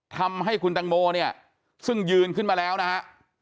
ทำให้คุณตังโมเนี่ยซึ่งยืนขึ้นมาแล้วนะฮะ